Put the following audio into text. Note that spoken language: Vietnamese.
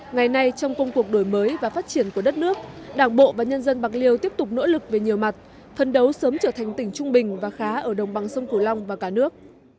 ngày nay trong công cuộc đổi mới và phát triển của đất nước đảng bộ và nhân dân bạc liêu tiếp tục nỗ lực về nhiều mặt phân đấu sớm trở thành tỉnh trung bình và khá ở đồng bằng sông cửu long và cả nước